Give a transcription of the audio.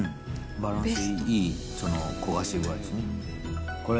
バランスのいい焦がし具合ですね。